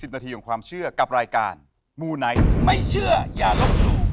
นาทีของความเชื่อกับรายการมูไนท์ไม่เชื่ออย่าลบหลู่